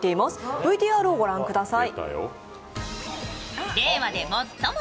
ＶＴＲを御覧ください。